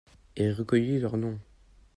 Et recueilli leur nom…